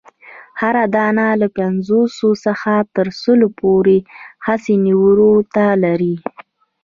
هره دانه له پنځوسو څخه تر سلو پوري حسي نیورونونه لري.